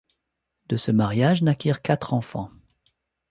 De ce mariage naquirent quatre enfants.